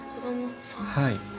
はい。